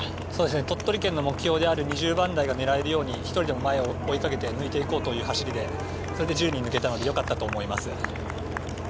鳥取県の目標である２０番台が狙えるように１人でも前を追いかけて抜いていけるようにという思いで走りましてそれで１０人抜けたのでよかったと思います。